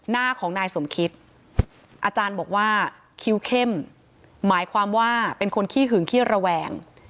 หน้าของนายสมคิตอาจารย์บอกว่าคิวเข้มหมายความว่าเป็นคนขี้หึงขี้ระแวง